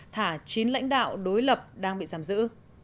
thả chín lãnh đạo đối lập đang bị giam giữ